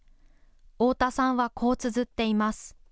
太田さんは、こうつづっています。